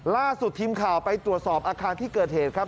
ล่าสุดทีมข่าวไปตรวจสอบอาคารที่เกิดเหตุครับ